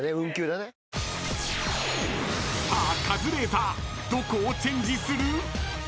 ［さあカズレーザーどこをチェンジする？］